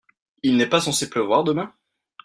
Il n'est pas censé pleuvoir demain ?